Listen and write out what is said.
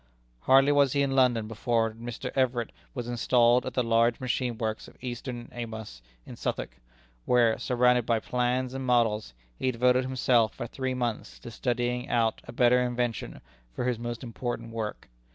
Hardly was he in London before Mr. Everett was installed at the large machine works of Easton and Amos, in Southwark, where, surrounded by plans and models, he devoted himself for three months to studying out a better invention for this most important work.